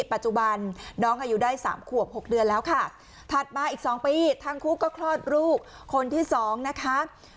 ปัจจุบันน้องอายุได้สามขวบ๖เดือนแล้วค่ะถัดมาอีก๒ปีทั้งคู่ก็คลอดลูกคนที่สองนะคะ